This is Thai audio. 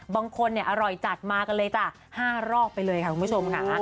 บางคนเนี่ยอร่อยจัดมากันเลยจ้ะ๕รอบไปเลยค่ะคุณผู้ชมค่ะ